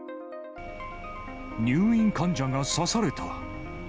入院患者が刺された。